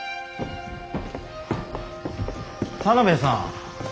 田邊さん。